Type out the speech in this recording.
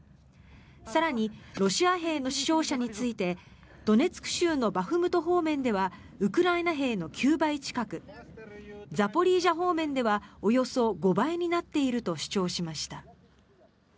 更に、ロシア兵の死傷者についてドネツク州のバフムト方面ではウクライナ兵の９倍近くザポリージャ方面ではおよそ５倍になっていると主張しました。